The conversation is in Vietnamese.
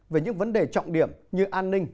về những vấn đề trọng điểm như an ninh